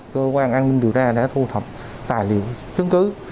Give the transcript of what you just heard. cơ quan an ninh điều tra đã thu thập tài liệu chứng cứ